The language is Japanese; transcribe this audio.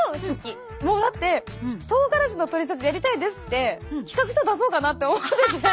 もうだって「とうがらしのトリセツやりたいです」って企画書出そうかなって思ってて。